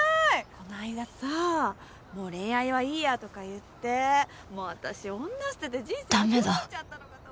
この間さ「もう恋愛はいいや」とか言ってもう私女捨てて人生諦めちゃったのかと。